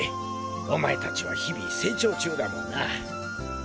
お前達は日々成長中だもんな。